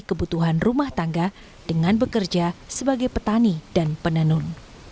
kebutuhan rumah tangga dengan bekerja sebagai petani dan penenun